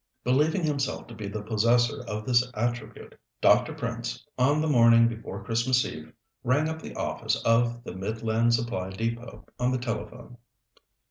Believing himself to be the possessor of this attribute, Dr. Prince, on the morning before Christmas Eve, rang up the office of the Midland Supply Depôt on the telephone.